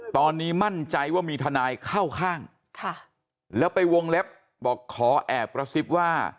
ตอนนี้มั่นใจว่ามีทนายเข้าข้างแล้วไปวงเล็บบอกขอแอบกระซิบว่า